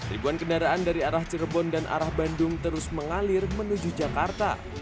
ribuan kendaraan dari arah cirebon dan arah bandung terus mengalir menuju jakarta